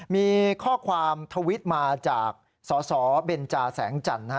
มีข้อความทวิตมาจากสสเบนจาแสงจันทร์